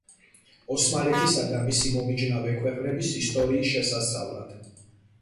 ოსმალეთისა და მისი მომიჯნავე ქვეყნების ისტორიის შესასწავლად.